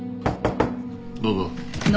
・どうぞ。